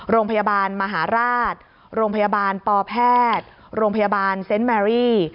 โรงพยาบาลมหาราชโรงพยาบาลปแพทย์โรงพยาบาลเซนต์แมรี่